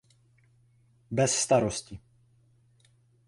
Bez starosti.